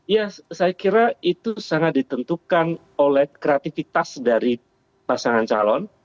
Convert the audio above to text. ya saya kira itu sangat ditentukan oleh kreativitas dari pasangan calon